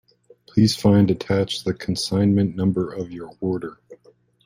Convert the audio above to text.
Please find attached the consignment number of your order.